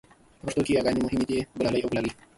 په پښتو کې یاګانې مهمې دي لکه ګلالی او ګلالۍ